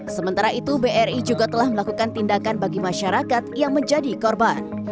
sementara itu bri juga telah melakukan tindakan bagi masyarakat yang menjadi korban